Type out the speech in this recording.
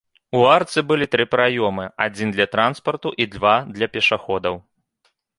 У арцы былі тры праёмы, адзін для транспарту і два для пешаходаў.